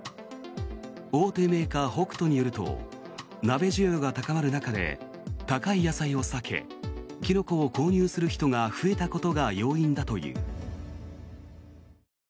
大手メーカー、ホクトによると鍋需要が高まる中で高い野菜を避けキノコを購入する人が増えたことが要因だという。